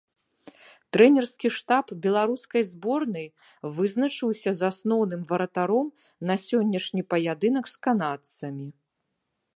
Трэнерскі штаб беларускай зборнай вызначыўся з асноўным варатаром на сённяшні паядынак з канадцамі.